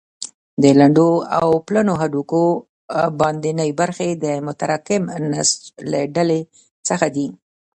د لنډو او پلنو هډوکو باندنۍ برخې د متراکم نسج له ډلې څخه دي.